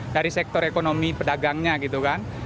dari sektor ekonomi pedagangnya gitu kan